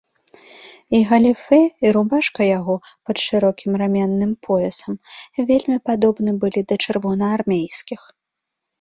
І галіфэ і рубашка яго пад шырокім раменным поясам вельмі падобны былі да чырвонаармейскіх.